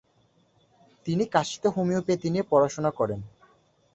তিনি কাশীতে হোমিওপ্যাথি নিয়ে পড়াশোনা করেন।